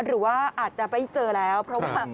หรือว่าอาจจะไม่เจอแล้วเพราะว่า